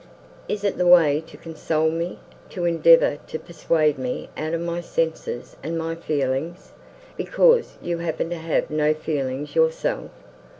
Is it the way to console me, to endeavour to persuade me out of my senses and my feelings, because you happen to have no feelings yourself?